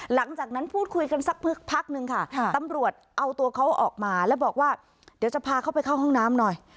หลังจากนั้นพูดคุยกันสักพักนึงค่ะตำรวจเอาตัวเขาออกมาแล้วบอกว่าเดี๋ยวจะพาเขาไปเข้าห้องน้ำหน่อย